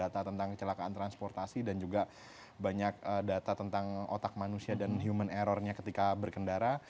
data tentang kecelakaan transportasi dan juga banyak data tentang otak manusia dan human errornya ketika berkendara